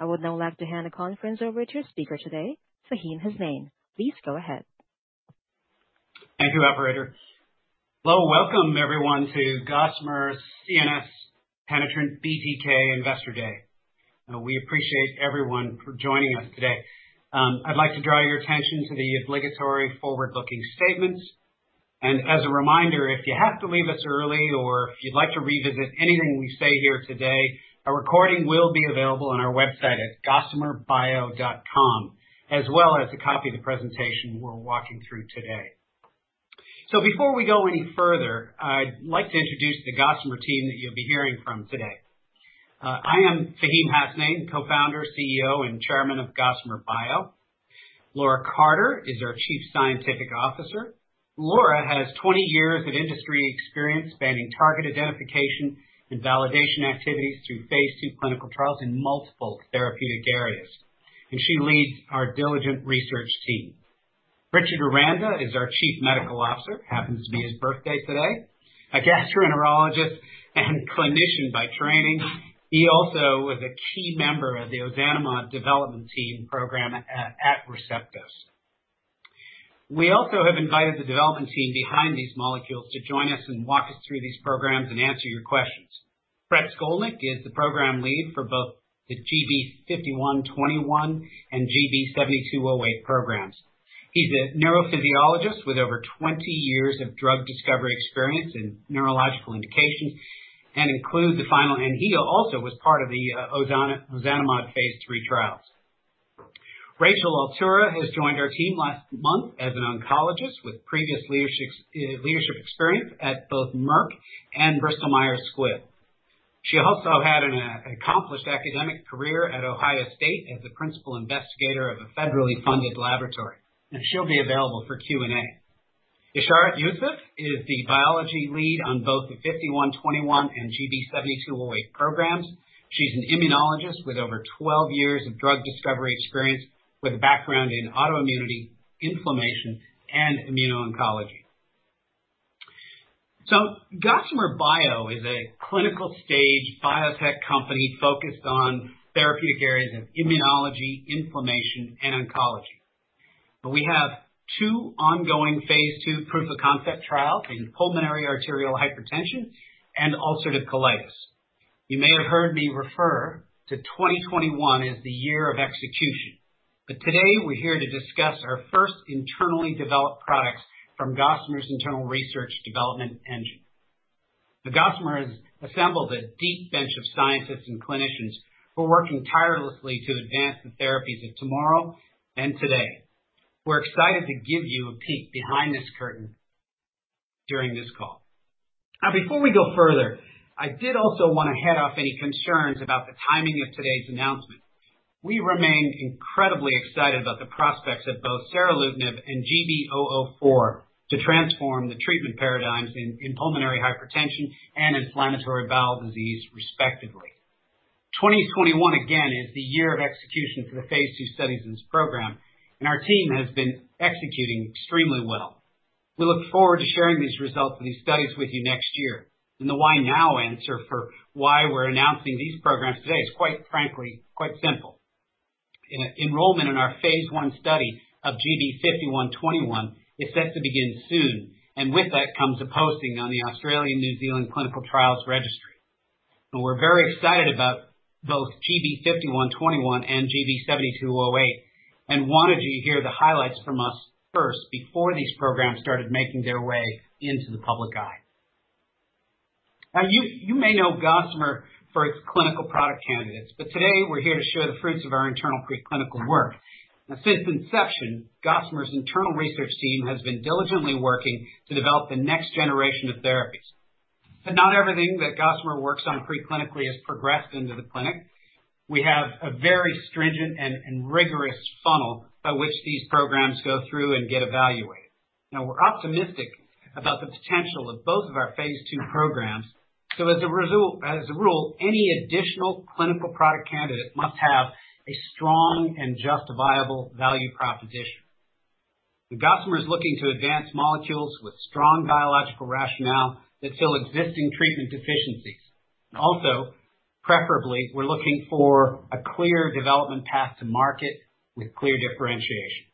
I would now like to hand the conference over to your speaker today, Faheem Hasnain. Please go ahead. Thank you, operator. Well, welcome everyone to Gossamer's CNS-Penetrant BTK Investor Day. We appreciate everyone for joining us today. As a reminder, if you have to leave us early or if you'd like to revisit anything we say here today, a recording will be available on our website at gossamerbio.com, as well as a copy of the presentation we're walking through today. Before we go any further, I'd like to introduce the Gossamer team that you'll be hearing from today. I am Faheem Hasnain, Co-Founder, CEO, and Chairman of Gossamer Bio. Laura Carter is our Chief Scientific Officer. Laura has 20 years of industry experience spanning target identification and validation activities through Phase 2 clinical trials in multiple therapeutic areas, and she leads our diligent research team. Richard Aranda is our Chief Medical Officer. Happens to be his birthday today. A gastroenterologist and clinician by training. He also was a key member of the ozanimod development team program at Receptos. We also have invited the development team behind these molecules to join us and walk us through these programs and answer your questions. Brett Skolnick is the program lead for both the GB5121 and GB7208 programs. He's a neurophysiologist with over 20 years of drug discovery experience in neurological indications. He also was part of the ozanimod Phase 3 trials. Rachel Altura has joined our team last month as an oncologist with previous leadership experience at both Merck and Bristol Myers Squibb. She also had an accomplished academic career at Ohio State as the principal investigator of a federally funded laboratory, and she'll be available for Q&A. Ishrat Yusuf is the biology lead on both the GB5121 and GB7208 programs. She's an immunologist with over 12 years of drug discovery experience, with a background in autoimmunity, inflammation, and immuno-oncology. Gossamer Bio is a clinical stage biotech company focused on therapeutic areas of immunology, inflammation and oncology. We have two ongoing Phase 2 proof of concept trials in pulmonary arterial hypertension and ulcerative colitis. You may have heard me refer to 2021 as the year of execution, today we're here to discuss our first internally developed products from Gossamer's internal research development engine. The Gossamer has assembled a deep bench of scientists and clinicians who are working tirelessly to advance the therapies of tomorrow and today. We're excited to give you a peek behind this curtain during this call. Before we go further, I did also want to head off any concerns about the timing of today's announcement. We remain incredibly excited about the prospects of both seralutinib and GB004 to transform the treatment paradigms in pulmonary hypertension and inflammatory bowel disease, respectively. 2021, again, is the year of execution for the Phase 2 studies in this program. Our team has been executing extremely well. We look forward to sharing these results of these studies with you next year. The why now answer for why we're announcing these programs today is, quite frankly, quite simple. Enrollment in our Phase 1 study of GB5121 is set to begin soon. With that comes a posting on the Australian New Zealand Clinical Trials Registry. We're very excited about both GB5121 and GB7208 and wanted you to hear the highlights from us first before these programs started making their way into the public eye. You may know Gossamer for its clinical product candidates, but today we're here to show the fruits of our internal preclinical work. Since inception, Gossamer's internal research team has been diligently working to develop the next generation of therapies. Not everything that Gossamer works on preclinically has progressed into the clinic. We have a very stringent and rigorous funnel by which these programs go through and get evaluated. We're optimistic about the potential of both of our Phase 2 programs. As a rule, any additional clinical product candidate must have a strong and justifiable value proposition. The Gossamer is looking to advance molecules with strong biological rationale that fill existing treatment deficiencies. Preferably, we're looking for a clear development path to market with clear differentiation.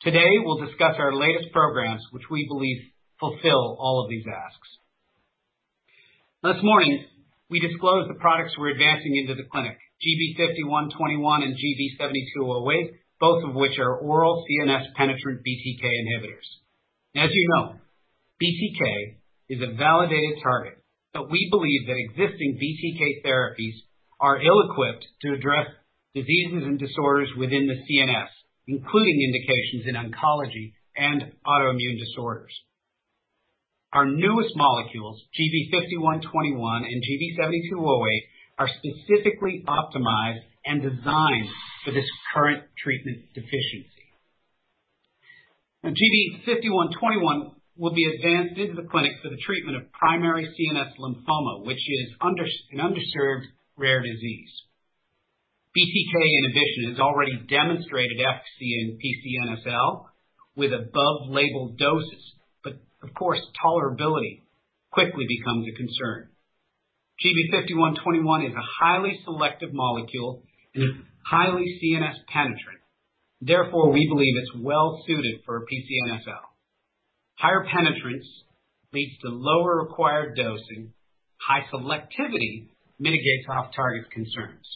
Today we'll discuss our latest programs, which we believe fulfill all of these asks. This morning, we disclosed the products we're advancing into the clinic, GB5121 and GB7208, both of which are oral CNS-penetrant BTK inhibitors. As you know, BTK is a validated target, we believe that existing BTK therapies are ill-equipped to address diseases and disorders within the CNS, including indications in oncology and autoimmune disorders. Our newest molecules, GB5121 and GB7208, are specifically optimized and designed for this current treatment deficiency. GB5121 will be advanced into the clinic for the treatment of primary CNS lymphoma, which is an underserved rare disease. BTK, in addition, has already demonstrated efficacy in PCNSL with above-label doses, of course, tolerability quickly becomes a concern. GB5121 is a highly selective molecule and a highly CNS-penetrant. Therefore, we believe it's well-suited for PCNSL. Higher penetrance leads to lower required dosing. High selectivity mitigates off-target concerns.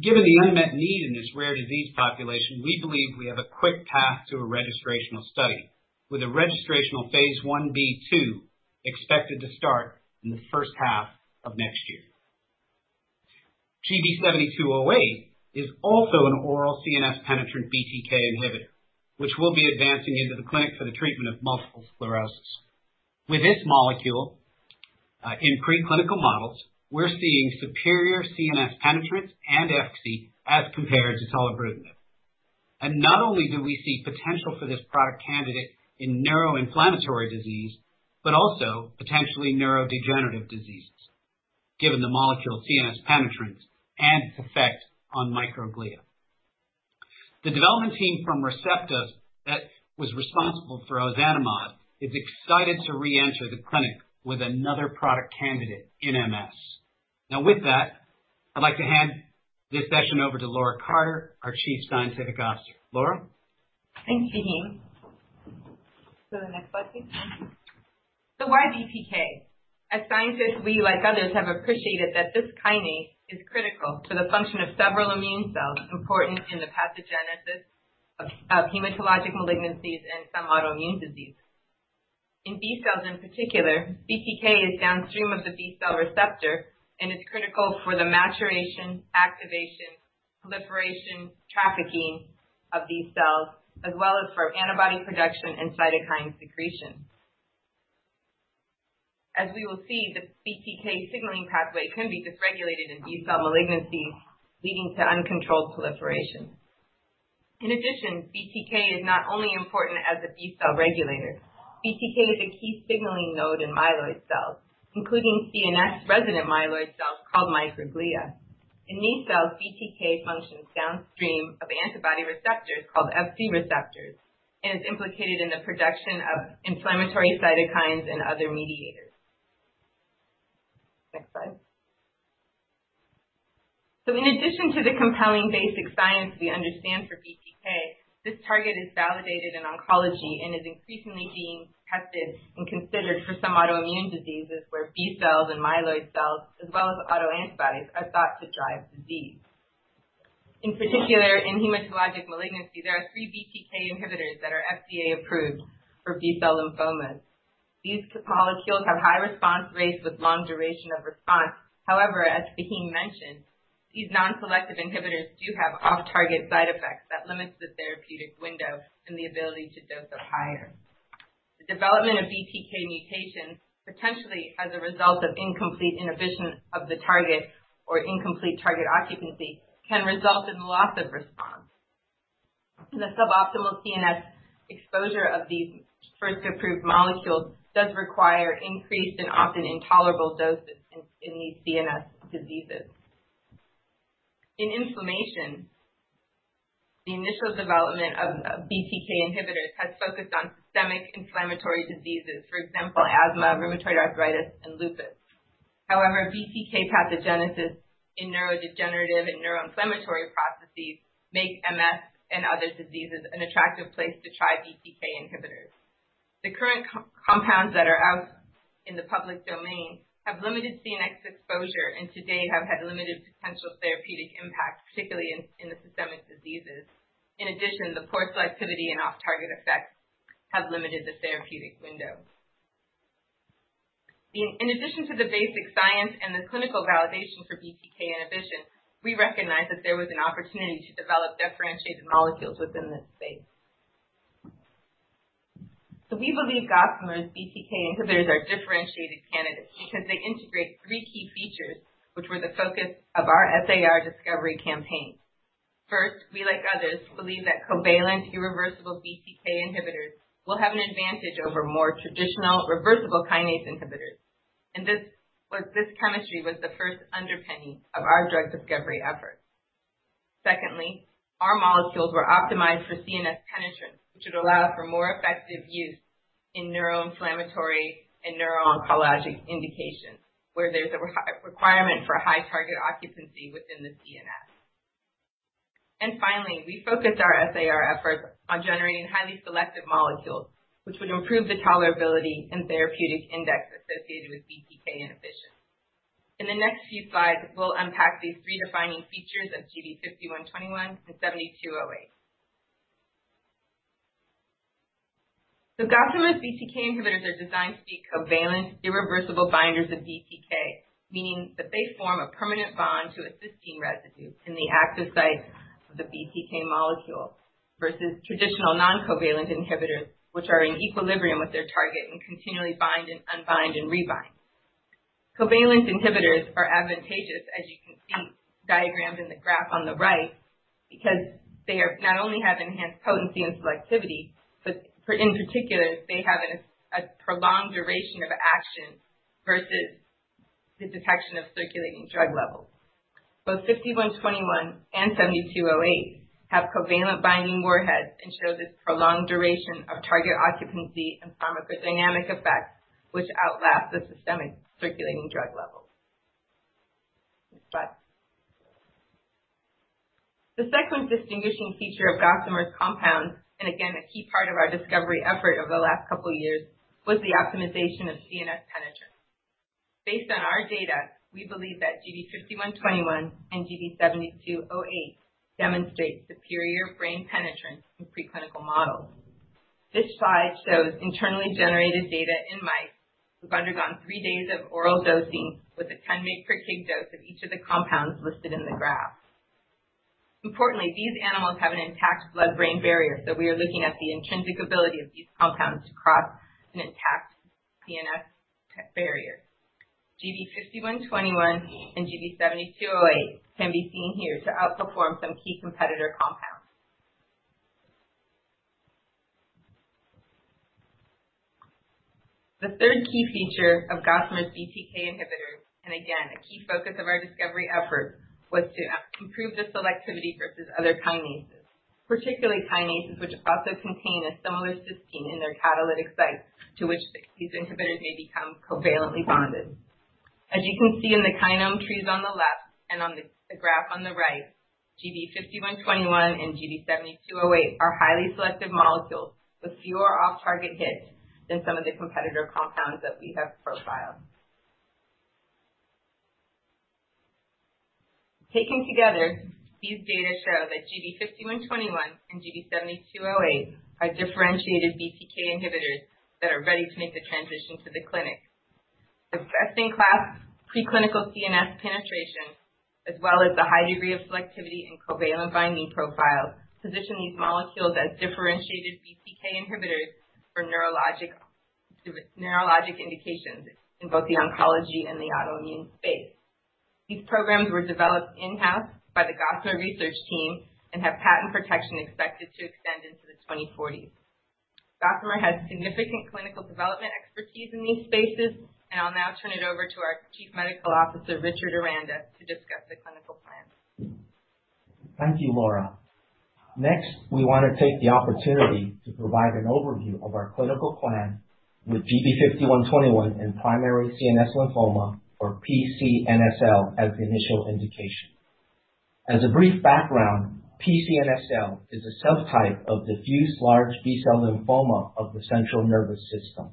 Given the unmet need in this rare disease population, we believe we have a quick path to a registrational study with a registrational Phase 1b/2 expected to start in the first half of next year. GB7208 is an oral CNS penetrant BTK inhibitor, which we'll be advancing into the clinic for the treatment of multiple sclerosis. With this molecule, in preclinical models, we're seeing superior CNS penetrance and efficacy as compared to tolebrutinib. Not only do we see potential for this product candidate in neuroinflammatory disease, but also potentially neurodegenerative diseases, given the molecule's CNS penetrance and its effect on microglia. The development team from Receptos that was responsible for ozanimod is excited to reenter the clinic with another product candidate in MS. With that, I'd like to hand this session over to Laura Carter, our Chief Scientific Officer. Laura? Thanks, Faheem. Go to the next slide, please. Why BTK? As scientists, we, like others, have appreciated that this kinase is critical to the function of several immune cells important in the pathogenesis of hematologic malignancies and some autoimmune disease. In B cells in particular, BTK is downstream of the B cell receptor and is critical for the maturation, activation, proliferation, trafficking of these cells, as well as for antibody production and cytokine secretion. As we will see, the BTK signaling pathway can be dysregulated in B cell malignancies, leading to uncontrolled proliferation. In addition, BTK is not only important as a B cell regulator. BTK is a key signaling node in myeloid cells, including CNS resident myeloid cells called microglia. In these cells, BTK functions downstream of antibody receptors called Fc receptors and is implicated in the production of inflammatory cytokines and other mediators. Next slide. In addition to the compelling basic science we understand for BTK, this target is validated in oncology and is increasingly being tested and considered for some autoimmune diseases where B cells and myeloid cells, as well as autoantibodies, are thought to drive disease. In particular, in hematologic malignancy, there are three BTK inhibitors that are FDA-approved for B cell lymphomas. These molecules have high response rates with long duration of response. As Faheem mentioned, these non-selective inhibitors do have off-target side effects that limits the therapeutic window and the ability to dose up higher. The development of BTK mutations, potentially as a result of incomplete inhibition of the target or incomplete target occupancy, can result in loss of response. The suboptimal CNS exposure of these first approved molecules does require increased and often intolerable doses in these CNS diseases. In inflammation, the initial development of BTK inhibitors has focused on systemic inflammatory diseases, for example, asthma, rheumatoid arthritis, and lupus. BTK pathogenesis in neurodegenerative and neuroinflammatory processes makes MS and other diseases an attractive place to try BTK inhibitors. The current compounds that are out in the public domain have limited CNS exposure, and to date have had limited potential therapeutic impact, particularly in the systemic diseases. The poor selectivity and off-target effects have limited the therapeutic window. In addition to the basic science and the clinical validation for BTK inhibition, we recognized that there was an opportunity to develop differentiated molecules within this space. We believe Gossamer's BTK inhibitors are differentiated candidates because they integrate three key features, which were the focus of our SAR discovery campaign. First, we, like others, believe that covalent, irreversible BTK inhibitors will have an advantage over more traditional reversible kinase inhibitors. This chemistry was the first underpinning of our drug discovery efforts. Secondly, our molecules were optimized for CNS penetrance, which would allow for more effective use in neuroinflammatory and neuro-oncologic indications, where there's a requirement for high target occupancy within the CNS. Finally, we focused our SAR efforts on generating highly selective molecules, which would improve the tolerability and therapeutic index associated with BTK inhibition. In the next few slides, we'll unpack these three defining features of GB5121 and GB7208. Gossamer's BTK inhibitors are designed to be covalent, irreversible binders of BTK, meaning that they form a permanent bond to a cysteine residue in the active site of the BTK molecule versus traditional non-covalent inhibitors, which are in equilibrium with their target and continually bind and unbind and rebind. Covalent inhibitors are advantageous, as you can see diagrammed in the graph on the right, because they not only have enhanced potency and selectivity, but in particular, they have a prolonged duration of action versus the detection of circulating drug levels. Both GB5121 and GB7208 have covalent binding warheads and show this prolonged duration of target occupancy and pharmacodynamic effects which outlast the systemic circulating drug levels. Next slide. The second distinguishing feature of Gossamer's compounds, and again, a key part of our discovery effort over the last couple of years, was the optimization of CNS penetrance. Based on our data, we believe that GB5121 and GB7208 demonstrate superior brain penetrance in preclinical models. This slide shows internally generated data in mice who've undergone three days of oral dosing with a 10 mg per kg dose of each of the compounds listed in the graph. Importantly, these animals have an intact blood-brain barrier, so we are looking at the intrinsic ability of these compounds to cross an intact CNS barrier. GB5121 and GB7208 can be seen here to outperform some key competitor compounds. The third key feature of Gossamer's BTK inhibitors, and again, a key focus of our discovery effort, was to improve the selectivity versus other kinases, particularly kinases which also contain a similar cysteine in their catalytic sites to which these inhibitors may become covalently bonded. As you can see in the kinome trees on the left and on the graph on the right, GB5121 and GB7208 are highly selective molecules with fewer off-target hits than some of the competitor compounds that we have profiled. Taken together, these data show that GB5121 and GB7208 are differentiated BTK inhibitors that are ready to make the transition to the clinic. Best-in-class preclinical CNS penetration, as well as the high degree of selectivity and covalent binding profile, position these molecules as differentiated BTK inhibitors for neurologic indications in both the oncology and the autoimmune space. These programs were developed in-house by the Gossamer research team and have patent protection expected to extend into the 2040s. Gossamer has significant clinical development expertise in these spaces, and I'll now turn it over to our Chief Medical Officer, Richard Aranda, to discuss the clinical plans. Thank you, Laura. We want to take the opportunity to provide an overview of our clinical plan with GB5121 in primary CNS lymphoma or PCNSL as the initial indication. As a brief background, PCNSL is a subtype of diffuse large B cell lymphoma of the central nervous system.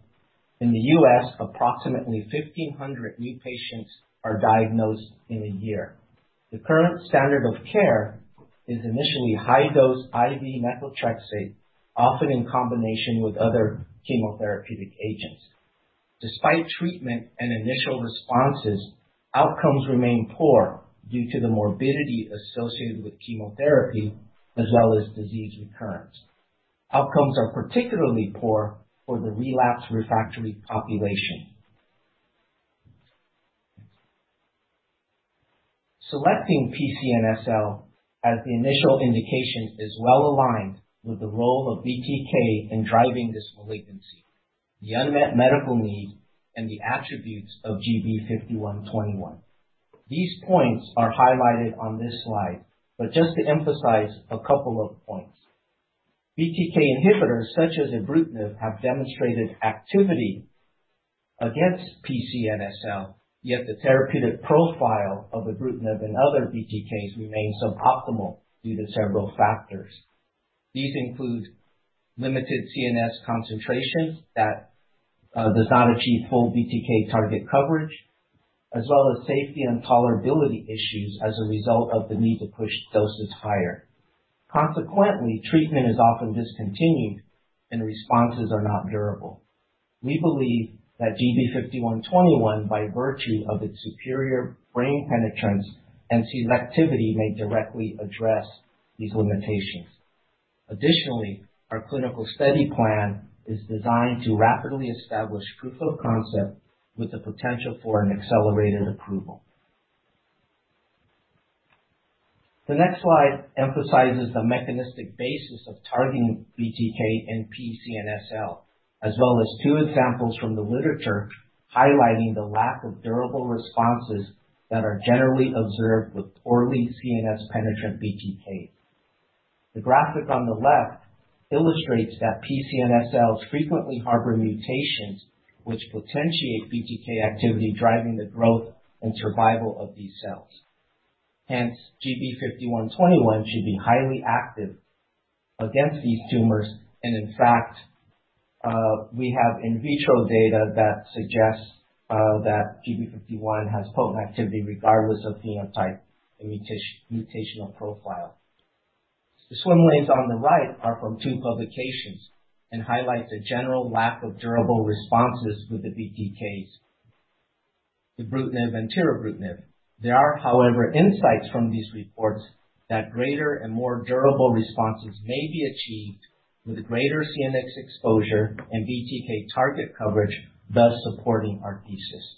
In the U.S., approximately 1,500 new patients are diagnosed in a year. The current standard of care is initially high-dose IV methotrexate, often in combination with other chemotherapeutic agents. Despite treatment and initial responses, outcomes remain poor due to the morbidity associated with chemotherapy as well as disease recurrence. Outcomes are particularly poor for the relapsed/refractory population. Selecting PCNSL as the initial indication is well-aligned with the role of BTK in driving this malignancy, the unmet medical need, and the attributes of GB5121. These points are highlighted on this slide, just to emphasize a couple of points. BTK inhibitors such as ibrutinib have demonstrated activity against PCNSL, yet the therapeutic profile of ibrutinib and other BTKs remains suboptimal due to several factors. These include limited CNS concentrations that does not achieve full BTK target coverage, as well as safety and tolerability issues as a result of the need to push doses higher. Consequently, treatment is often discontinued and responses are not durable. We believe that GB5121, by virtue of its superior brain penetrance and selectivity, may directly address these limitations. Additionally, our clinical study plan is designed to rapidly establish proof of concept with the potential for an accelerated approval. The next slide emphasizes the mechanistic basis of targeting BTK and PCNSL, as well as two examples from the literature highlighting the lack of durable responses that are generally observed with poorly CNS penetrant BTKs. The graphic on the left illustrates that PCNSLs frequently harbor mutations which potentiate BTK activity, driving the growth and survival of these cells. GB5121 should be highly active against these tumors and, in fact, we have in vitro data that suggests that GB5121 has potent activity regardless of phenotype and mutational profile. The swim lanes on the right are from two publications and highlight the general lack of durable responses with the BTKs, ibrutinib and tirabrutinib. There are, however, insights from these reports that greater and more durable responses may be achieved with greater CNS exposure and BTK target coverage, thus supporting our thesis.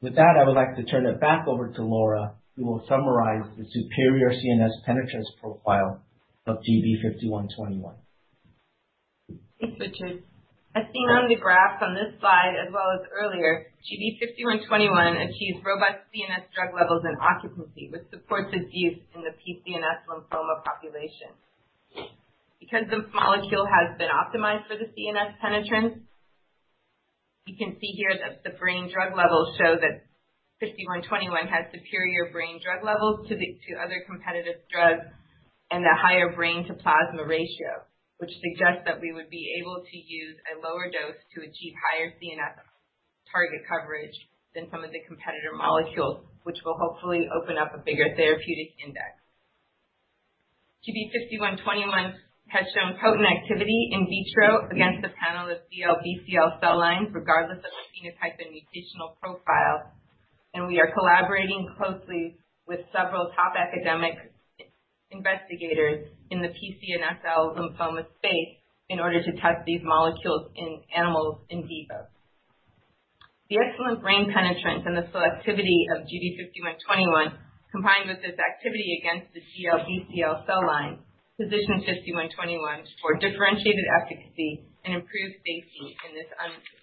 With that, I would like to turn it back over to Laura, who will summarize the superior CNS penetrance profile of GB5121. Thanks, Richard. As seen on the graph on this slide as well as earlier, GB5121 achieves robust CNS drug levels and occupancy, which supports its use in the PCNS lymphoma population. Because this molecule has been optimized for the CNS penetrance, you can see here that the brain drug levels show that GB5121 has superior brain drug levels to other competitive drugs and a higher brain to plasma ratio, which suggests that we would be able to use a lower dose to achieve higher CNS target coverage than some of the competitor molecules, which will hopefully open up a bigger therapeutic index. GB5121 has shown potent activity in vitro against a panel of DLBCL cell lines, regardless of the phenotype and mutational profile. We are collaborating closely with several top academic investigators in the PCNSL lymphoma space in order to test these molecules in animals in vivo. The excellent brain penetrance and the selectivity of GB5121, combined with this activity against the DLBCL cell line, position GB5121 for differentiated efficacy and improved safety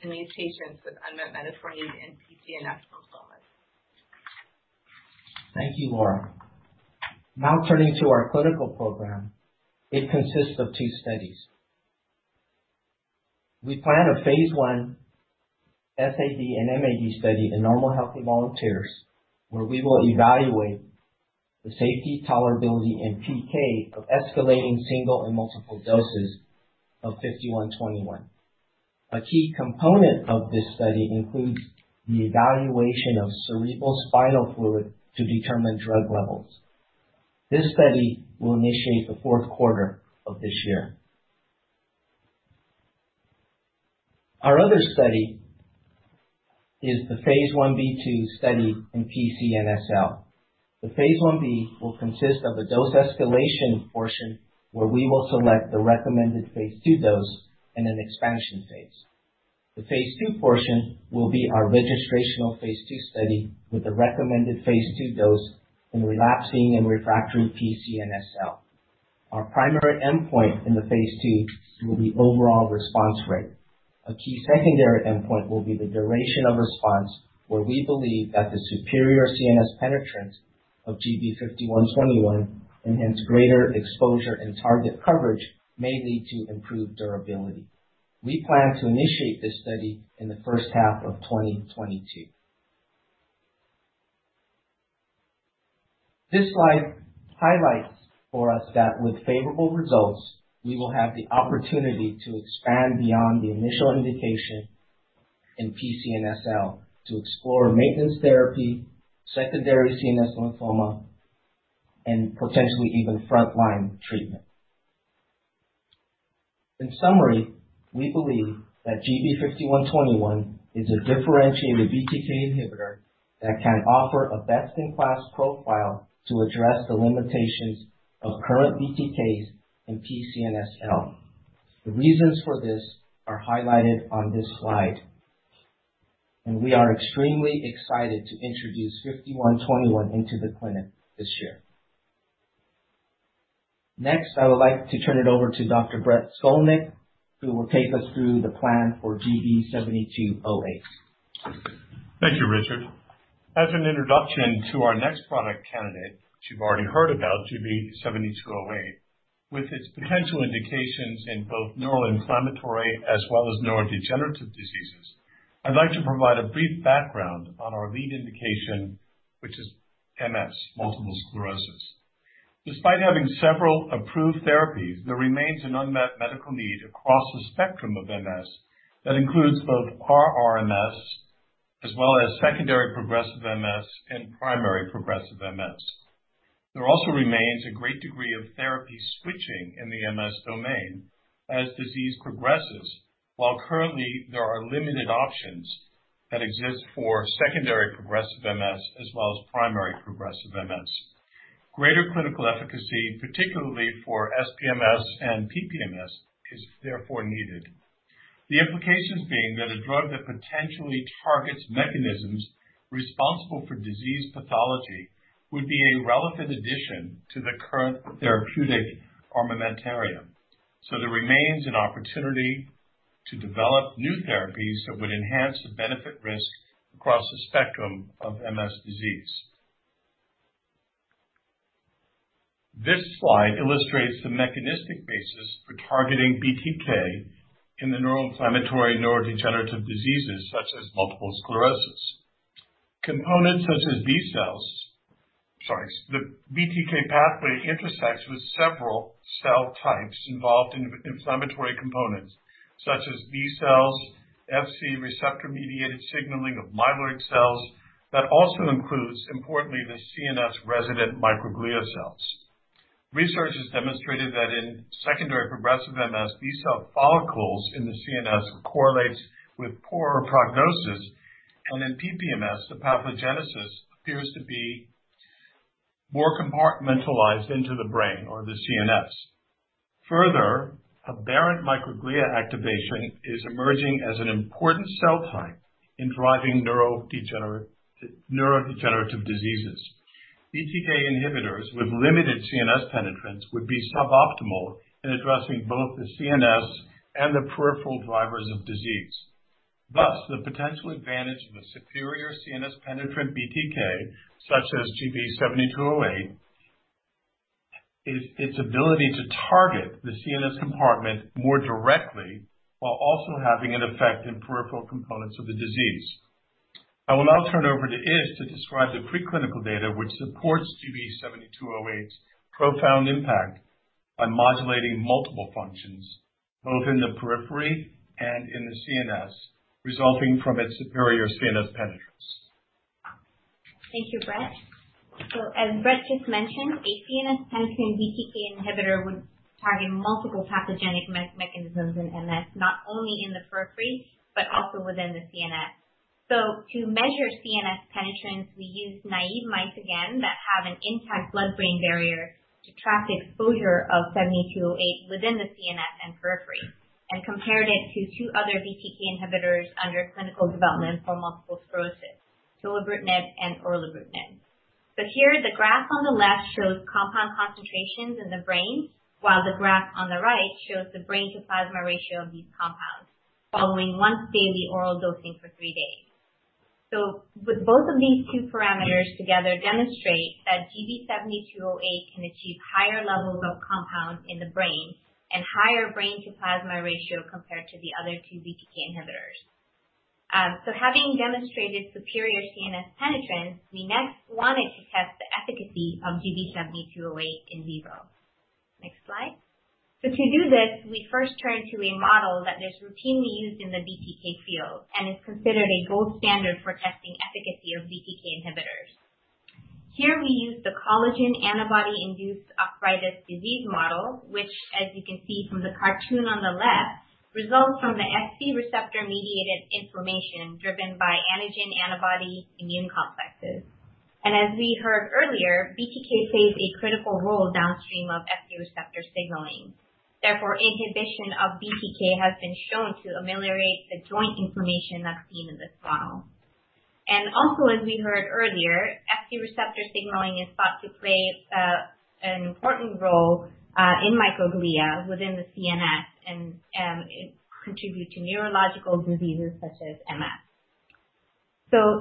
in mutations with unmet medical needs in PCNS lymphomas. Thank you, Laura. Turning to our clinical program. It consists of 2 studies. We plan a Phase 1 SAD and MAD study in normal healthy volunteers, where we will evaluate the safety, tolerability, and PK of escalating single and multiple doses of GB5121. A key component of this study includes the evaluation of cerebrospinal fluid to determine drug levels. This study will initiate the fourth quarter of this year. Our other study is the Phase 1b/2 study in PCNSL. The Phase 1b will consist of a dose escalation portion where we will select the recommended Phase 2 dose in an expansion phase. The Phase 2 portion will be our registrational Phase 2 study with the recommended Phase 2 dose in relapsing and refractory PCNSL. Our primary endpoint in the Phase 2 will be overall response rate. A key secondary endpoint will be the duration of response, where we believe that the superior CNS penetrance of GB5121, and hence greater exposure and target coverage, may lead to improved durability. We plan to initiate this study in the first half of 2022. This slide highlights for us that with favorable results, we will have the opportunity to expand beyond the initial indication in PCNSL to explore maintenance therapy, secondary CNS lymphoma, and potentially even frontline treatment. In summary, we believe that GB5121 is a differentiated BTK inhibitor that can offer a best-in-class profile to address the limitations of current BTKs in PCNSL. The reasons for this are highlighted on this slide. We are extremely excited to introduce GB5121 into the clinic this year. Next, I would like to turn it over to Dr. Brett Skolnick, who will take us through the plan for GB7208. Thank you, Richard. As an introduction to our next product candidate, which you've already heard about, GB7208, with its potential indications in both neuroinflammatory as well as neurodegenerative diseases, I'd like to provide a brief background on our lead indication, which is MS, multiple sclerosis. Despite having several approved therapies, there remains an unmet medical need across the spectrum of MS that includes both RRMS as well as secondary progressive MS and primary progressive MS. There also remains a great degree of therapy switching in the MS domain as disease progresses, while currently there are limited options that exist for secondary progressive MS as well as primary progressive MS. Greater clinical efficacy, particularly for SPMS and PPMS, is therefore needed. The implications being that a drug that potentially targets mechanisms responsible for disease pathology would be a relevant addition to the current therapeutic armamentarium. There remains an opportunity to develop new therapies that would enhance the benefit risk across the spectrum of MS disease. This slide illustrates the mechanistic basis for targeting BTK in the neuroinflammatory neurodegenerative diseases such as multiple sclerosis. The BTK pathway intersects with several cell types involved in inflammatory components such as B cells, Fc receptor-mediated signaling of myeloid cells that also includes, importantly, the CNS-resident microglia cells. Research has demonstrated that in secondary progressive MS, B cell follicles in the CNS correlates with poorer prognosis, and in PPMS, the pathogenesis appears to be more compartmentalized into the brain or the CNS. Aberrant microglia activation is emerging as an important cell type in driving neurodegenerative diseases. BTK inhibitors with limited CNS penetrance would be suboptimal in addressing both the CNS and the peripheral drivers of disease. The potential advantage of a superior CNS-penetrant BTK, such as GB7208, is its ability to target the CNS compartment more directly while also having an effect in peripheral components of the disease. I will now turn over to Ish to describe the preclinical data which supports GB7208's profound impact on modulating multiple functions, both in the periphery and in the CNS, resulting from its superior CNS penetrance. Thank you, Brett. As Brett just mentioned, a CNS-penetrant BTK inhibitor would target multiple pathogenic mechanisms in MS, not only in the periphery but also within the CNS. To measure CNS penetrance, we used naive mice again that have an intact blood-brain barrier to track the exposure of GB7208 within the CNS and periphery, and compared it to two other BTK inhibitors under clinical development for multiple sclerosis, tolebrutinib and evobrutinib. Here, the graph on the left shows compound concentrations in the brain, while the graph on the right shows the brain to plasma ratio of these compounds following once-daily oral dosing for three days. Both of these two parameters together demonstrate that GB7208 can achieve higher levels of compound in the brain and higher brain to plasma ratio compared to the other two BTK inhibitors. Having demonstrated superior CNS penetrance, we next wanted to test the efficacy of GB7208 in vivo. Next slide. To do this, we first turned to a model that is routinely used in the BTK field and is considered a gold standard for testing efficacy of BTK inhibitors. Here we used the collagen antibody-induced arthritis disease model, which, as you can see from the cartoon on the left, results from the Fc receptor-mediated inflammation driven by antigen-antibody immune complexes. As we heard earlier, BTK plays a critical role downstream of Fc receptor signaling. Therefore, inhibition of BTK has been shown to ameliorate the joint inflammation that's seen in this model. Also, as we heard earlier, Fc receptor signaling is thought to play an important role in microglia within the CNS, and it contributes to neurological diseases such as MS.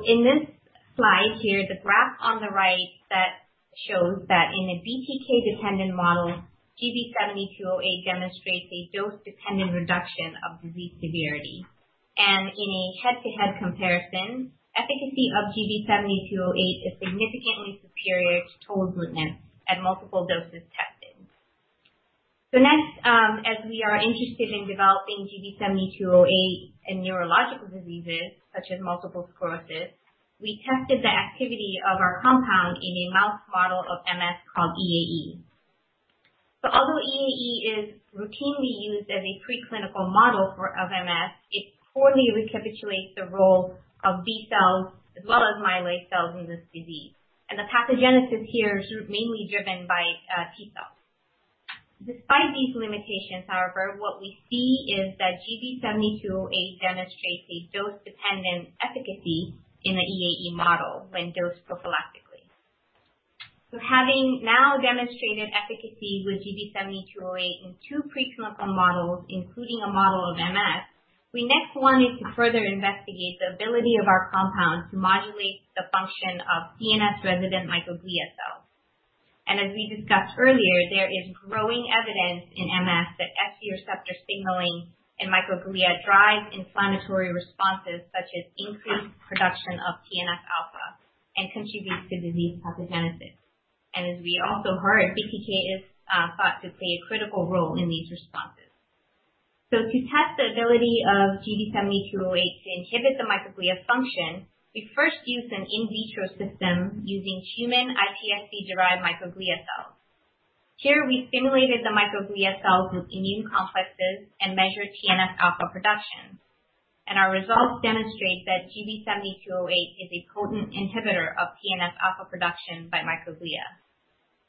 In this slide here, the graph on the right shows that in a BTK-dependent model, GB7208 demonstrates a dose-dependent reduction of disease severity. In a head-to-head comparison, efficacy of GB7208 is significantly superior to tolebrutinib at multiple doses tested. Next, as we are interested in developing GB7208 in neurological diseases such as multiple sclerosis, we tested the activity of our compound in a mouse model of MS called EAE. Although EAE is routinely used as a preclinical model of MS, it poorly recapitulates the role of B cells as well as myeloid cells in this disease, and the pathogenesis here is mainly driven by T cells. Despite these limitations, however, what we see is that GB7208 demonstrates a dose-dependent efficacy in the EAE model when dosed prophylactically. Having now demonstrated efficacy with GB7208 in two preclinical models, including a model of MS, we next wanted to further investigate the ability of our compound to modulate the function of CNS-resident microglia cells. As we discussed earlier, there is growing evidence in MS that Fc receptor signaling in microglia drives inflammatory responses such as increased production of TNF alpha and contributes to disease pathogenesis. As we also heard, BTK is thought to play a critical role in these responses. To test the ability of GB7208 to inhibit the microglia function, we first used an in vitro system using human iPSC-derived microglia cells. Here we stimulated the microglia cells with immune complexes and measured TNF alpha production. Our results demonstrate that GB7208 is a potent inhibitor of TNF alpha production by microglia.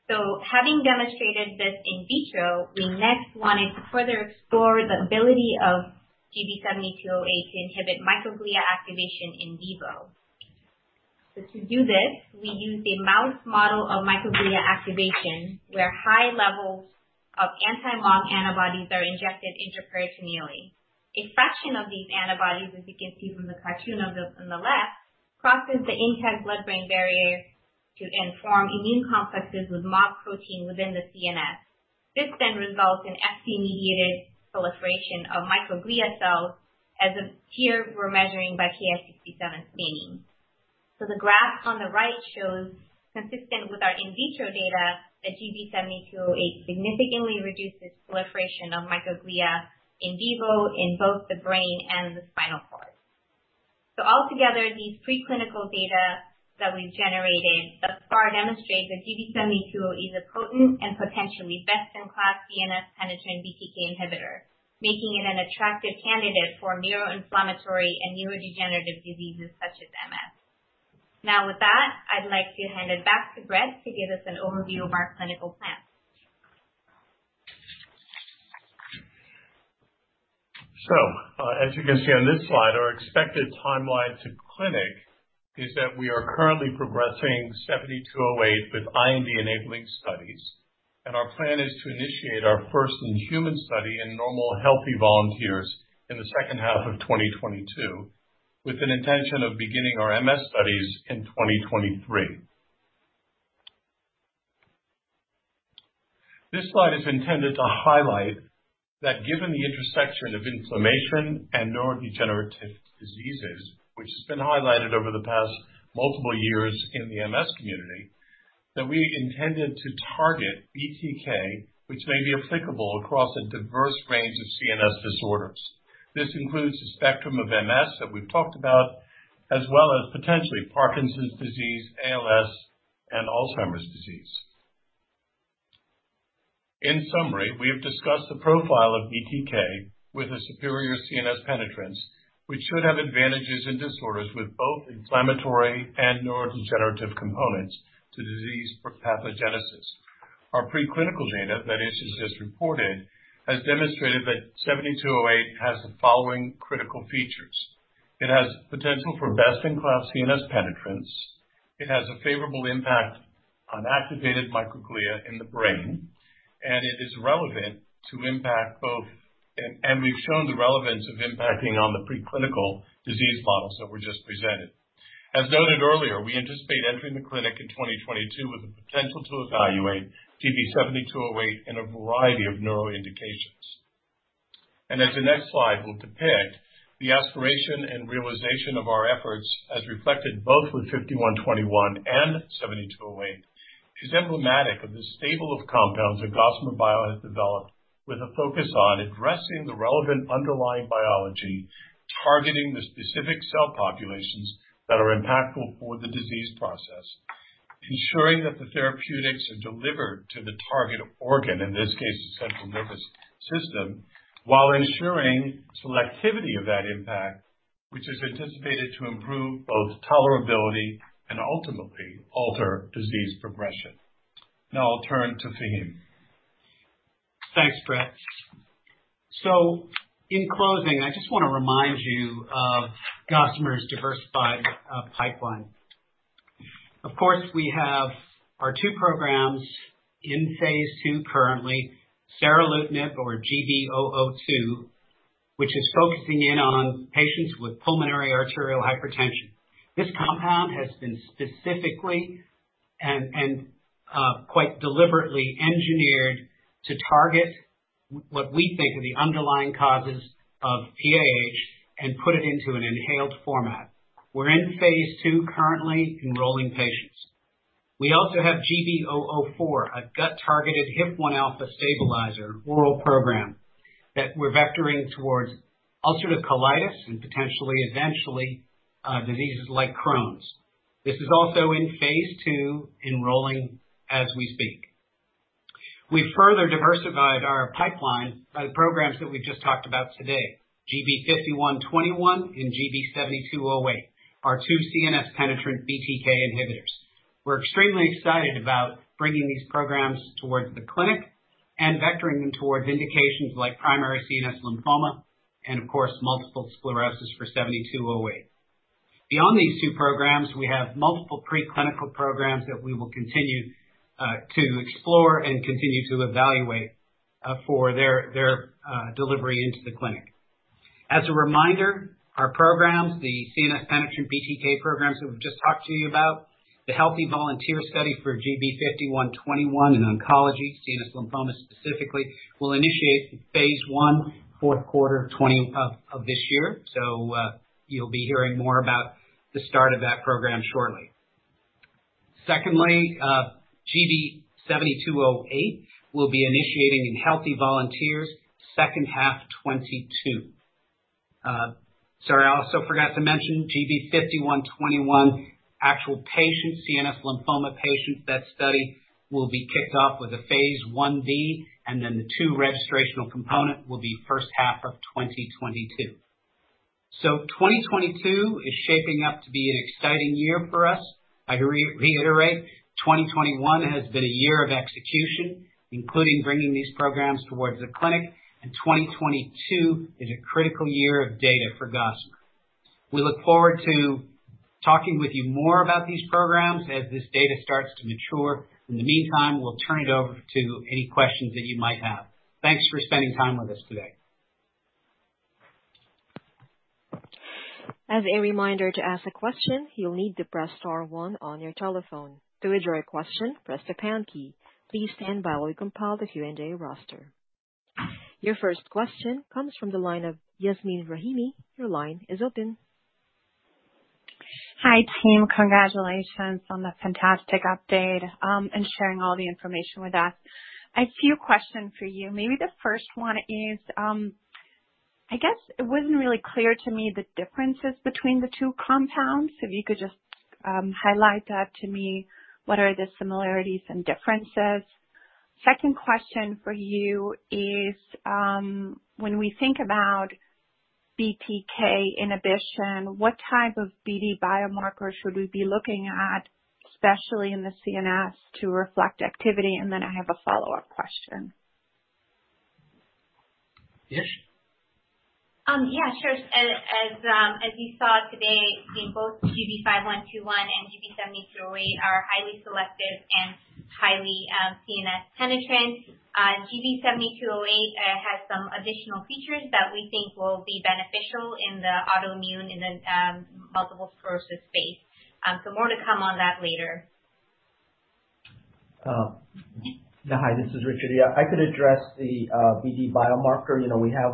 Having demonstrated this in vitro, we next wanted to further explore the ability of GB7208 to inhibit microglia activation in vivo. To do this, we used a mouse model of microglia activation where high levels of anti-MOG antibodies are injected intraperitoneally. A fraction of these antibodies, as you can see from the cartoon on the left, crosses the intact blood-brain barrier to then form immune complexes with MOG protein within the CNS. This then results in Fc-mediated proliferation of microglia cells, as here we're measuring by Ki67 staining. The graph on the right shows, consistent with our in vitro data, that GB7208 significantly reduces proliferation of microglia in vivo in both the brain and the spinal cord. Altogether, these preclinical data that we've generated thus far demonstrate that GB7208 is a potent and potentially best-in-class CNS-penetrant BTK inhibitor, making it an attractive candidate for neuroinflammatory and neurodegenerative diseases such as MS. With that, I'd like to hand it back to Brett to give us an overview of our clinical plans. As you can see on this slide, our expected timeline to clinic is that we are currently progressing GB7208 with IND-enabling studies. Our plan is to initiate our first-in-human study in normal healthy volunteers in the second half of 2022, with an intention of beginning our MS studies in 2023. This slide is intended to highlight that given the intersection of inflammation and neurodegenerative diseases, which has been highlighted over the past multiple years in the MS community, that we intended to target BTK, which may be applicable across a diverse range of CNS disorders. This includes the spectrum of MS that we've talked about, as well as potentially Parkinson's disease, ALS, and Alzheimer's disease. In summary, we have discussed the profile of BTK with a superior CNS penetrance, which should have advantages in disorders with both inflammatory and neurodegenerative components to disease pathogenesis. Our pre-clinical data that Ishrat just reported has demonstrated that GB7208 has the following critical features. It has potential for best-in-class CNS penetrance. It has a favorable impact on activated microglia in the brain, and we've shown the relevance of impacting on the pre-clinical disease models that were just presented. As noted earlier, we anticipate entering the clinic in 2022 with the potential to evaluate GB7208 in a variety of neuro indications. As the next slide will depict, the aspiration and realization of our efforts, as reflected both with GB5121 and GB7208, is emblematic of the stable of compounds that Gossamer Bio has developed with a focus on addressing the relevant underlying biology, targeting the specific cell populations that are impactful for the disease process, ensuring that the therapeutics are delivered to the target organ, in this case, the central nervous system, while ensuring selectivity of that impact, which is anticipated to improve both tolerability and ultimately alter disease progression. Now I'll turn to Faheem. Thanks, Brett. In closing, I just want to remind you of Gossamer's diversified pipeline. Of course, we have our two programs in Phase 2 currently, seralutinib or GB002, which is focusing in on patients with pulmonary arterial hypertension. This compound has been specifically and quite deliberately engineered to target what we think are the underlying causes of PAH and put it into an inhaled format. We're in Phase 2 currently enrolling patients. We also have GB004, a gut-targeted HIF-1 alpha stabilizer oral program that we're vectoring towards ulcerative colitis and potentially eventually, diseases like Crohn's. This is also in Phase 2, enrolling as we speak. We've further diversified our pipeline by the programs that we've just talked about today, GB5121 and GB7208, our 2 CNS-penetrant BTK inhibitors. We're extremely excited about bringing these programs towards the clinic and vectoring them towards indications like primary CNS lymphoma and of course, multiple sclerosis for GB7208. Beyond these two programs, we have multiple pre-clinical programs that we will continue to explore and continue to evaluate for their delivery into the clinic. As a reminder, our programs, the CNS-penetrant BTK programs that we've just talked to you about, the healthy volunteer study for GB5121 in oncology, CNS lymphoma specifically, will initiate Phase 1 fourth quarter of this year. You'll be hearing more about the start of that program shortly. Secondly, GB7208 will be initiating in healthy volunteers second half 2022. I also forgot to mention GB5121 actual patients, CNS lymphoma patients, that study will be kicked off with a Phase 1b and then the two registrational component will be first half of 2022. 2022 is shaping up to be an exciting year for us. I reiterate, 2021 has been a year of execution, including bringing these programs towards the clinic, and 2022 is a critical year of data for Gossamer. We look forward to talking with you more about these programs as this data starts to mature. In the meantime, we'll turn it over to any questions that you might have. Thanks for spending time with us today. Your first question comes from the line of Yasmeen Rahimi. Your line is open. Hi, team. Congratulations on the fantastic update, and sharing all the information with us. A few questions for you. Maybe the first one is, I guess it wasn't really clear to me the differences between the two compounds. If you could just highlight that to me, what are the similarities and differences? Second question for you is, when we think about BTK inhibition, what type of PD biomarkers should we be looking at, especially in the CNS, to reflect activity? Then I have a follow-up question. Ish? Sure. As you saw today in both GB5121 and GB7208 are highly selective and highly CNS penetrant. GB7208 has some additional features that we think will be beneficial in the autoimmune and then multiple sclerosis space. More to come on that later. Hi, this is Richard. Yeah, I could address the PD biomarker. We have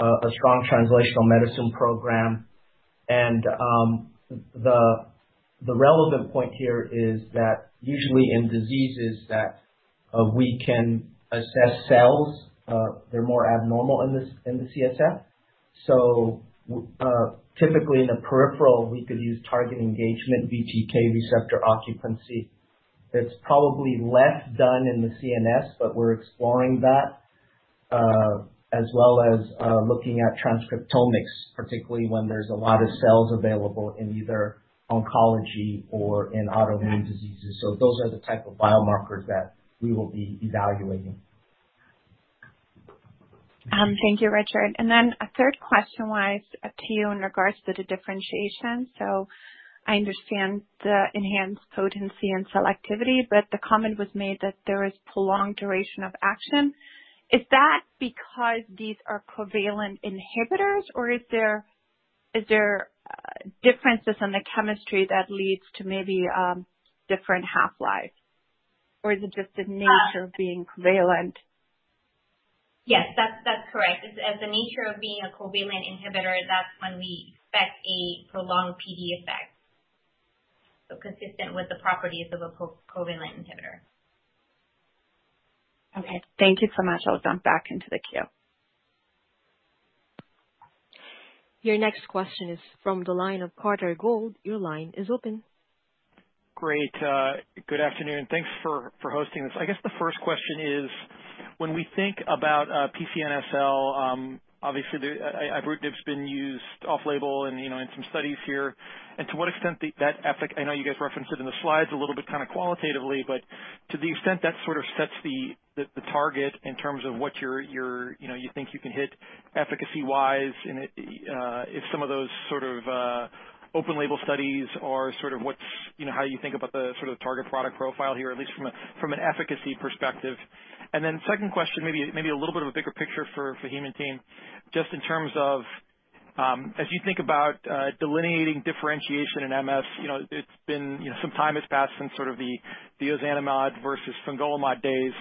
a strong translational medicine program and the relevant point here is that usually in diseases that we can assess cells, they're more abnormal in the CSF. Typically in a peripheral, we could use target engagement, BTK receptor occupancy. It's probably less done in the CNS, but we're exploring that, as well as looking at transcriptomics, particularly when there's a lot of cells available in either oncology or in autoimmune diseases. Those are the type of biomarkers that we will be evaluating. Thank you, Richard. A third question was to you in regards to the differentiation. I understand the enhanced potency and selectivity, the comment was made that there is prolonged duration of action. Is that because these are covalent inhibitors, is there differences in the chemistry that leads to maybe different half-life? Is it just the nature of being covalent? Yes, that's correct. As the nature of being a covalent inhibitor, that's when we expect a prolonged PD effect. Consistent with the properties of a covalent inhibitor. Okay. Thank you so much. I'll jump back into the queue. Your next question is from the line of Carter Gould. Your line is open. Great. Good afternoon. Thanks for hosting this. I guess the first question is when we think about PCNSL, obviously ibrutinib's been used off label and in some studies here, to what extent that I know you guys referenced it in the slides a little bit kind of qualitatively, but to the extent that sort of sets the target in terms of what you think you can hit efficacy-wise and, if some of those sort of, open label studies are sort of what's how you think about the sort of target product profile here, at least from an efficacy perspective. Then second question, maybe a little bit of a bigger picture for Faheem's team, just in terms of, as you think about delineating differentiation in MS, some time has passed since sort of the ozanimod versus fingolimod days.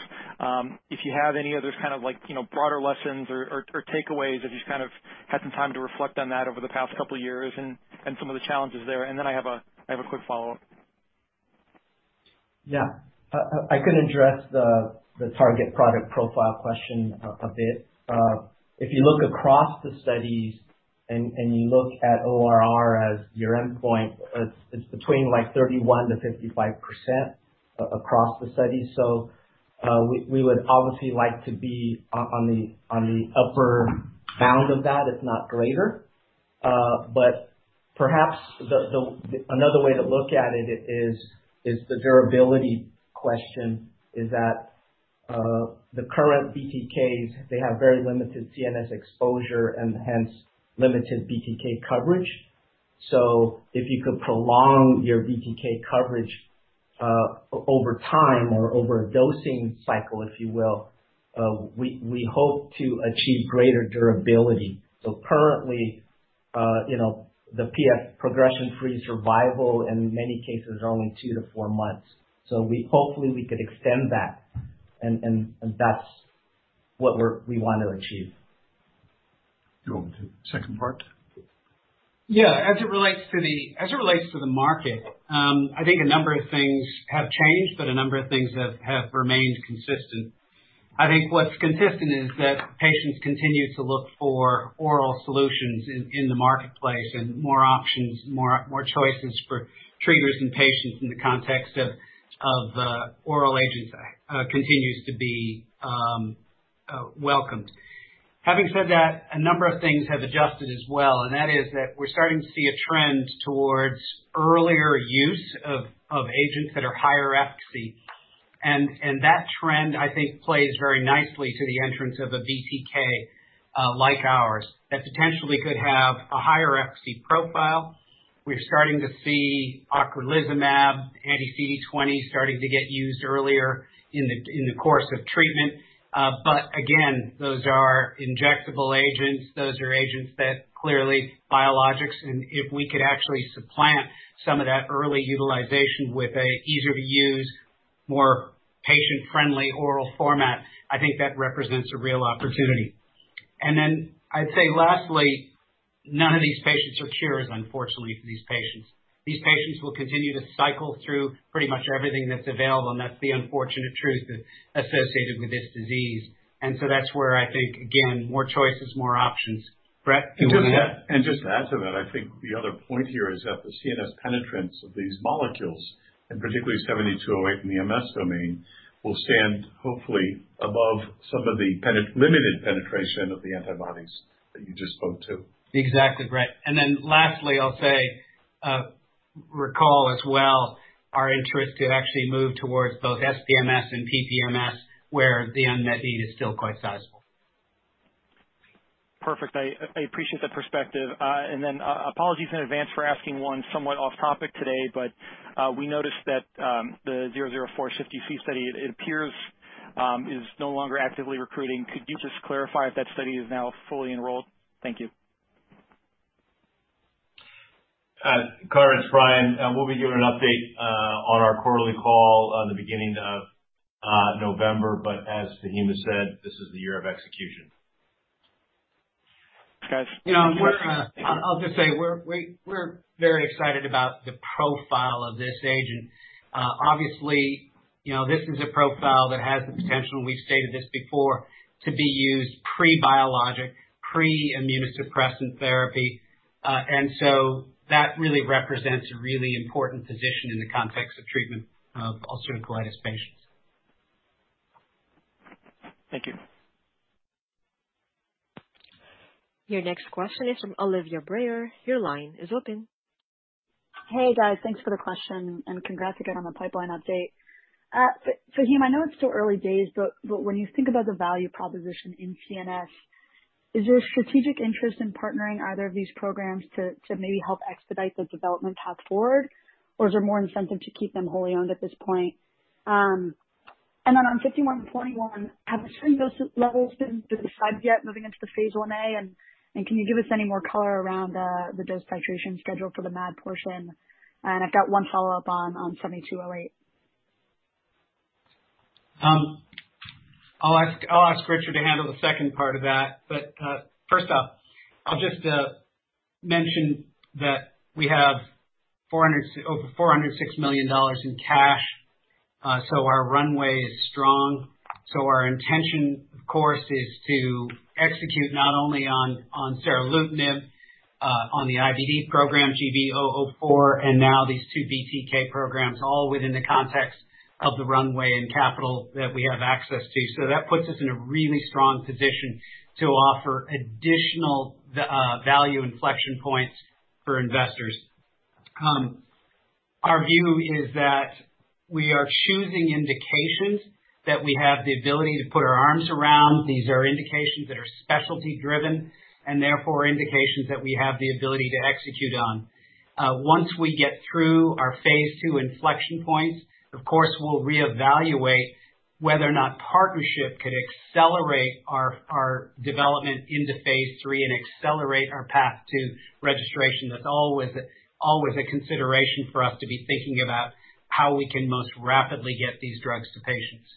If you have any other kind of broader lessons or takeaways as you've kind of had some time to reflect on that over the past two years and some of the challenges there. I have a quick follow-up. Yeah. I could address the target product profile question a bit. If you look across the studies and you look at ORR as your endpoint, it's between 31%-55% across the studies. We would obviously like to be on the upper bound of that, if not greater. Perhaps another way to look at it is that, the current BTKs, they have very limited CNS exposure and hence limited BTK coverage. If you could prolong your BTK coverage over time or over a dosing cycle, if you will, we hope to achieve greater durability. Currently, the PF, progression-free survival in many cases are only two to four months. Hopefully we could extend that and that's what we want to achieve. You want me to do the second part? Yeah. As it relates to the market, I think a number of things have changed, but a number of things have remained consistent. I think what's consistent is that patients continue to look for oral solutions in the marketplace and more options, more choices for triggers in patients in the context of oral agents continues to be welcomed. Having said that, a number of things have adjusted as well, and that is that we're starting to see a trend towards earlier use of agents that are higher efficacy. That trend, I think, plays very nicely to the entrance of a BTK like ours, that potentially could have a higher efficacy profile. We're starting to see ocrelizumab, anti-CD20, starting to get used earlier in the course of treatment. Again, those are injectable agents. Those are agents that clearly biologics. If we could actually supplant some of that early utilization with an easier to use, more patient-friendly oral format, I think that represents a real opportunity. Lastly, none of these patients are cures, unfortunately for these patients. These patients will continue to cycle through pretty much everything that's available, and that's the unfortunate truth associated with this disease. That's where I think, again, more choices, more options. Brett? Just to add to that, I think the other point here is that the CNS penetrance of these molecules, and particularly GB7208 in the MS domain, will stand hopefully above some of the limited penetration of the antibodies that you just spoke to. Exactly, Brett. Recall as well our interest to actually move towards both SPMS and PPMS, where the unmet need is still quite sizable. Perfect. I appreciate the perspective. Apologies in advance for asking one somewhat off topic today, but we noticed that the GB004 UC study, it appears, is no longer actively recruiting. Could you just clarify if that study is now fully enrolled? Thank you. Carter, it's Bryan. We'll be giving an update on our quarterly call the beginning of November. As Faheem has said, this is the year of execution. Thanks. I'll just say we're very excited about the profile of this agent. Obviously, this is a profile that has the potential, we've stated this before, to be used pre-biologic, pre-immunosuppressant therapy. That really represents a really important position in the context of treatment of ulcerative colitis patients. Thank you. Your next question is from Olivia Brayer. Your line is open. Hey, guys. Thanks for the question and congrats again on the pipeline update. Faheem, I know it's still early days, but when you think about the value proposition in CNS, is there a strategic interest in partnering either of these programs to maybe help expedite the development path forward? Or is there more incentive to keep them wholly owned at this point? On GB5121, have the starting dose levels been decided yet moving into the Phase 1a? Can you give us any more color around the dose titration schedule for the MAD portion? I've got one follow-up on GB7208. I'll ask Richard to handle the second part of that. First up, I'll just mention that we have over $406 million in cash, so our runway is strong. Our intention, of course, is to execute not only on seralutinib, on the IBD program, GB004, and now these two BTK programs, all within the context of the runway and capital that we have access to. That puts us in a really strong position to offer additional value inflection points for investors. Our view is that we are choosing indications that we have the ability to put our arms around. These are indications that are specialty driven and therefore indications that we have the ability to execute on. Once we get through our Phase 2 inflection points, of course, we'll reevaluate whether or not partnership could accelerate our development into Phase 3 and accelerate our path to registration. That's always a consideration for us to be thinking about how we can most rapidly get these drugs to patients.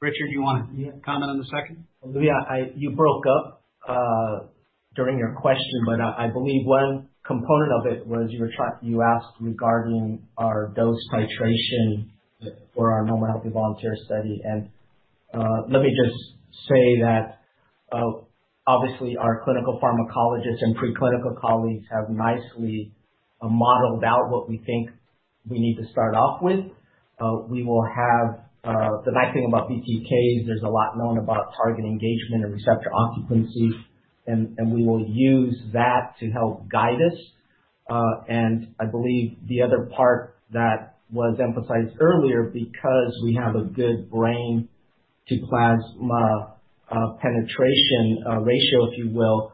Richard, you want to comment on the second? Olivia, you broke up during your question, I believe one component of it was you asked regarding our dose titration for our normal healthy volunteer study. Let me just say that, obviously our clinical pharmacologists and preclinical colleagues have nicely modeled out what we think we need to start off with. The nice thing about BTK is there's a lot known about target engagement and receptor occupancy. We will use that to help guide us. I believe the other part that was emphasized earlier, because we have a good brain to plasma penetration ratio, if you will,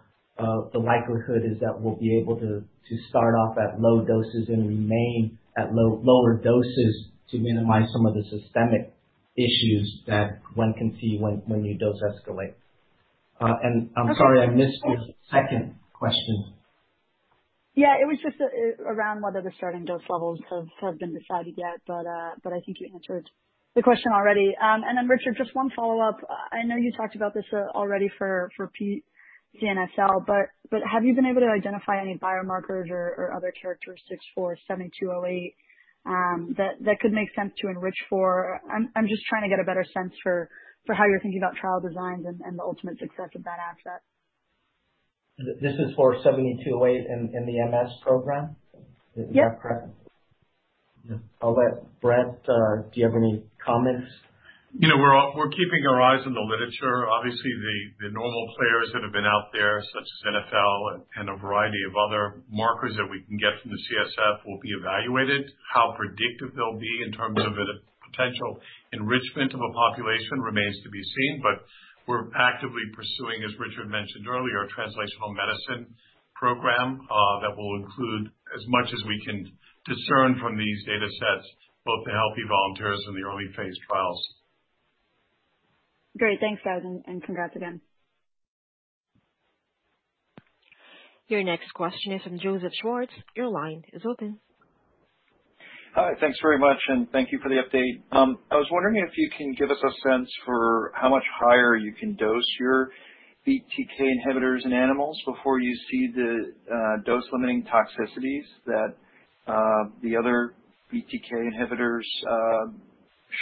the likelihood is that we'll be able to start off at low doses and remain at lower doses to minimize some of the systemic issues that one can see when you dose escalate. I'm sorry I missed your second question. Yeah, it was just around whether the starting dose levels have been decided yet. I think you answered the question already. Richard, just one follow-up. I know you talked about this already for PCNSL, but have you been able to identify any biomarkers or other characteristics for GB7208 that could make sense to enrich for? I'm just trying to get a better sense for how you're thinking about trial designs and the ultimate success of that asset. This is for GB7208 in the MS program? Yep. Is that correct? I'll let Brett, do you have any comments? We're keeping our eyes on the literature. Obviously, the normal players that have been out there, such as NfL and a variety of other markers that we can get from the CSF, will be evaluated. How predictive they'll be in terms of a potential enrichment of a population remains to be seen. We're actively pursuing, as Richard mentioned earlier, a translational medicine program that will include as much as we can discern from these data sets, both the healthy volunteers and the early phase trials. Great. Thanks, guys, and congrats again. Your next question is from Joseph Schwartz. Your line is open. Hi. Thanks very much, and thank you for the update. I was wondering if you can give us a sense for how much higher you can dose your BTK inhibitors in animals before you see the dose-limiting toxicities that the other BTK inhibitors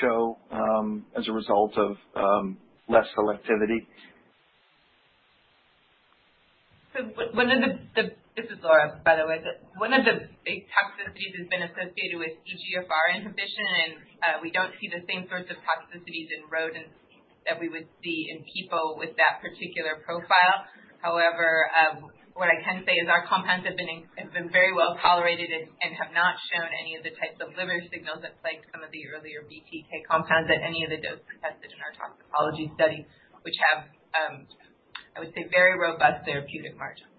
show as a result of less selectivity? This is Laura, by the way. One of the big toxicities has been associated with EGFR inhibition, and we don't see the same sorts of toxicities in rodents. That we would see in people with that particular profile. However, what I can say is our compounds have been very well tolerated and have not shown any of the types of liver signals that plagued some of the earlier BTK compounds at any of the dose we tested in our toxicology studies, which have, I would say, very robust therapeutic margins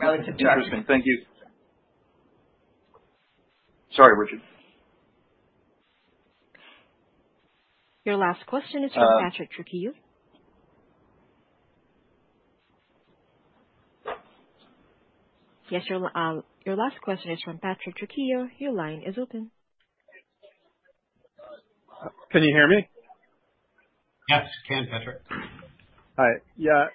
associated with them relative to. Interesting. Thank you. Sorry, Richard. Your last question is from Patrick Trucchio. Your line is open. Can you hear me? Yes, can, Patrick. Hi. Yeah.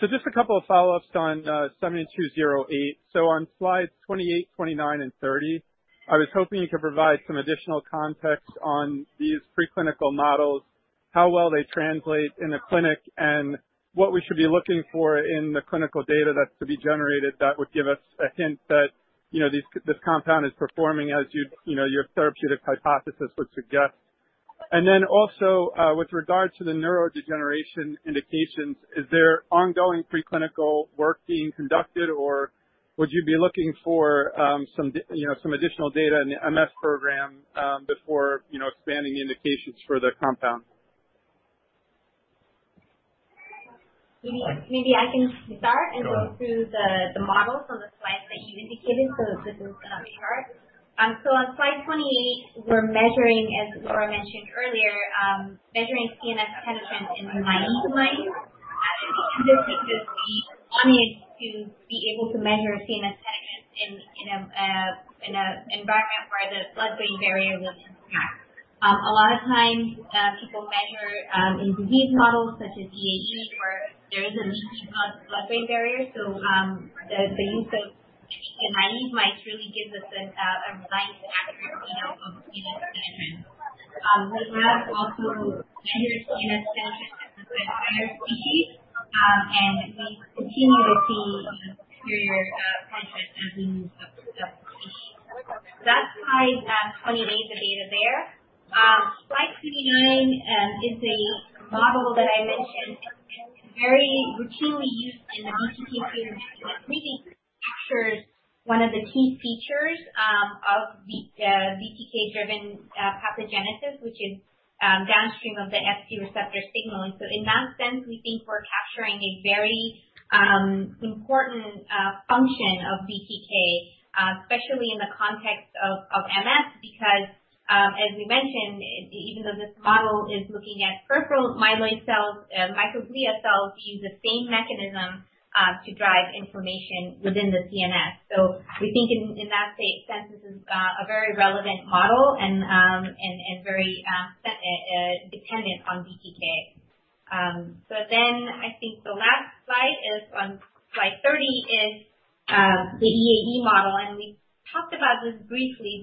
Just a couple of follow-ups on GB7208. On slides 28, 29, and 30, I was hoping you could provide some additional context on these preclinical models, how well they translate in the clinic, and what we should be looking for in the clinical data that's to be generated that would give us a hint that this compound is performing as your therapeutic hypothesis would suggest. Also, with regard to the neurodegeneration indications, is there ongoing preclinical work being conducted, or would you be looking for some additional data in the MS program before expanding the indications for the compound? Maybe I can start and go through the models on the slides that you indicated. This is Ishrat. On slide 28, we're measuring, as Laura mentioned earlier, measuring CNS penetration in mice. We do this because we wanted to be able to measure CNS penetration in an environment where the blood-brain barrier was intact. A lot of times people measure in disease models such as EAE where there is a breakdown of the blood-brain barrier. The use of mice really gives us a nice accurate window of CNS penetration. The lab also measures CNS penetration with higher species, and we continue to see superior penetration as we move up species. That's slide 28, the data there. Slide 29 is a model that I mentioned very routinely used in the BTK space. We think captures one of the key features of the BTK-driven pathogenesis, which is downstream of the Fc receptor signaling. In that sense, we think we're capturing a very important function of BTK, especially in the context of MS, because, as we mentioned, even though this model is looking at peripheral myeloid cells, microglia cells use the same mechanism to drive inflammation within the CNS. We think in that sense, this is a very relevant model and very dependent on BTK. I think the last slide is on slide 30 is the EAE model, and we talked about this briefly.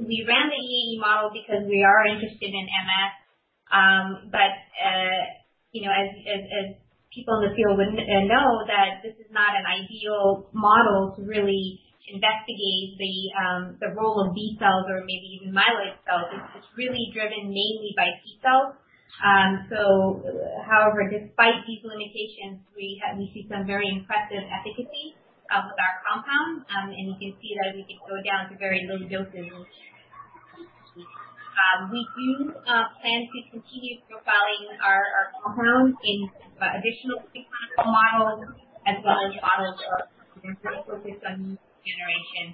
We ran the EAE model because we are interested in MS. As people in the field would know that this is not an ideal model to really investigate the role of B cells or maybe even myeloid cells. It's really driven mainly by T cells. Despite these limitations, we see some very impressive efficacy with our compound, and you can see that we can go down to very low doses. We do plan to continue profiling our compound in additional preclinical models as well as models that are more focused on neurodegeneration.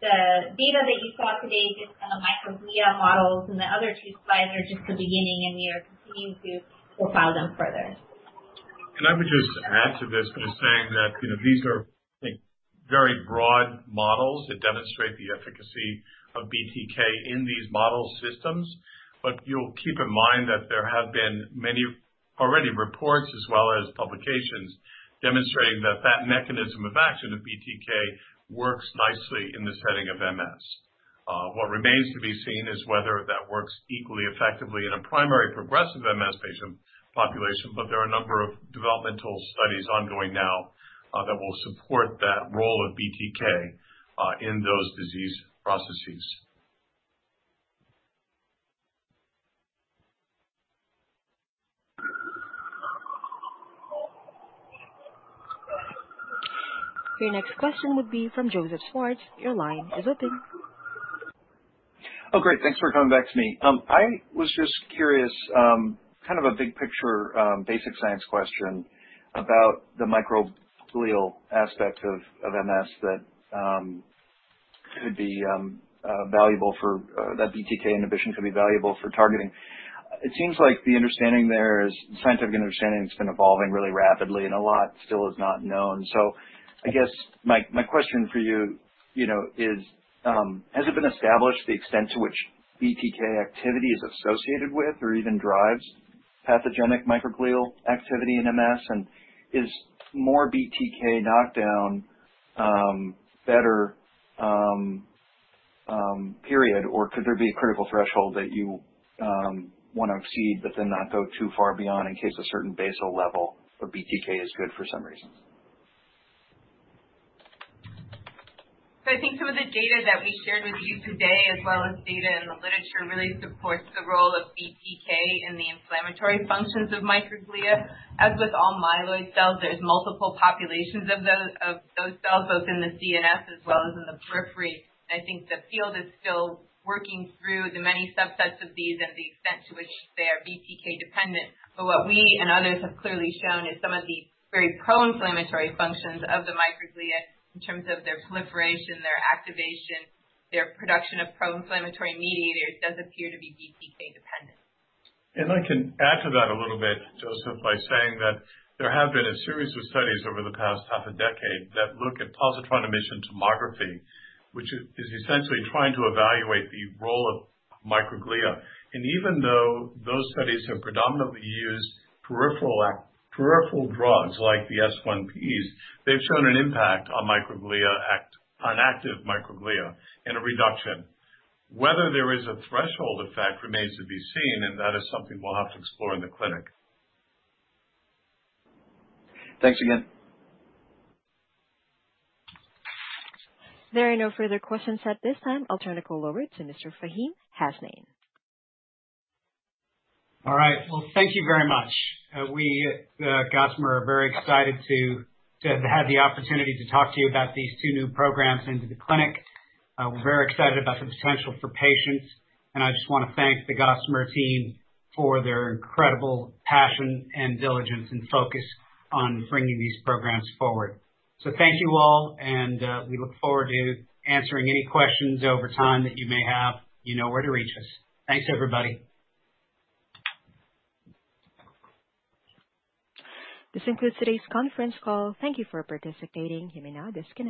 The data that you saw today is from the microglia models, and the other two slides are just the beginning, and we are continuing to profile them further. I would just add to this by saying that these are very broad models that demonstrate the efficacy of BTK in these model systems. You'll keep in mind that there have been many already reports as well as publications demonstrating that mechanism of action of BTK works nicely in the setting of MS. What remains to be seen is whether that works equally effectively in a primary progressive MS patient population, but there are a number of developmental studies ongoing now that will support that role of BTK in those disease processes. Your next question would be from Joseph Schwartz. Your line is open. Oh, great. Thanks for coming back to me. I was just curious, kind of a big picture, basic science question about the microglial aspect of MS that BTK inhibition could be valuable for targeting. It seems like the scientific understanding has been evolving really rapidly, and a lot still is not known. I guess my question for you is, has it been established the extent to which BTK activity is associated with or even drives pathogenic microglial activity in MS, and is more BTK knockdown better, period, or could there be a critical threshold that you want to exceed but then not go too far beyond in case a certain basal level of BTK is good for some reason? I think some of the data that we shared with you today, as well as data in the literature, really supports the role of BTK in the inflammatory functions of microglia. As with all myeloid cells, there's multiple populations of those cells, both in the CNS as well as in the periphery. I think the field is still working through the many subsets of these and the extent to which they are BTK-dependent. What we and others have clearly shown is some of the very pro-inflammatory functions of the microglia in terms of their proliferation, their activation, their production of pro-inflammatory mediators does appear to be BTK-dependent. I can add to that a little bit, Joseph, by saying that there have been a series of studies over the past half a decade that look at positron emission tomography, which is essentially trying to evaluate the role of microglia. Even though those studies have predominantly used peripheral drugs like the S1Ps, they've shown an impact on active microglia and a reduction. Whether there is a threshold effect remains to be seen, and that is something we'll have to explore in the clinic. Thanks again. There are no further questions at this time. I'll turn the call over to Mr. Faheem Hasnain. All right. Well, thank you very much. We at Gossamer are very excited to have had the opportunity to talk to you about these two new programs into the clinic. We're very excited about the potential for patients, and I just want to thank the Gossamer team for their incredible passion and diligence and focus on bringing these programs forward. Thank you all, and we look forward to answering any questions over time that you may have. You know where to reach us. Thanks, everybody. This concludes today's conference call. Thank you for participating. You may now disconnect.